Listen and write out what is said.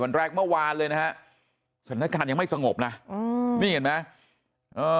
แรกเมื่อวานเลยนะฮะสถานการณ์ยังไม่สงบนะอืมนี่เห็นไหมเออ